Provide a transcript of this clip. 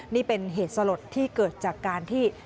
นี่เป็นเหตุสลดที่เกิดจากการที่